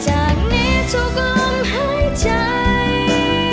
จากนี้ทุกวันหายใจ